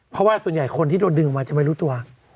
เพราะว่าส่วนใหญ่คนที่โดนดึงออกมาจะไม่รู้ตัว